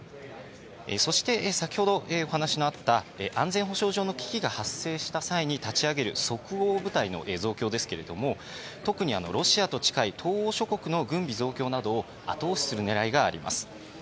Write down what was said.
そして、先ほどお話のあった安全保障上の危機が発生した際に立ち上げる即応部隊の増強ですが特にロシアと近い東欧諸国の軍備増強などを後押しする狙いがあります。